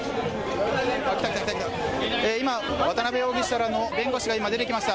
今、渡辺容疑者らの弁護士が出てきました。